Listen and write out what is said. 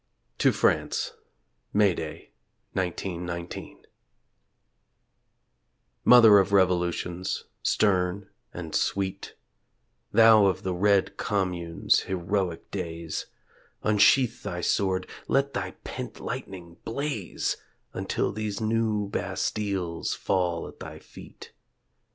TO FRANCE (May Day, 1919) Mother of revolutions, stern and sweet, Thou of the red Commune's heroic days; Unsheathe thy sword, let thy pent lightning blaze Until these new bastiles fall at thy feet.